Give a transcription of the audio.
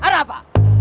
hah ada apa